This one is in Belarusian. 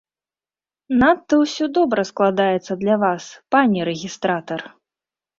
Надта ўсё добра складаецца для вас, пане рэгістратар.